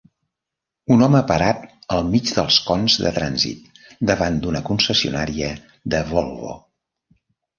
Un home parat al mig dels cons de trànsit davant d'una concessionària de Volvo